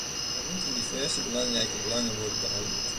Er moesten diverse belangrijke belangen worden behandeld.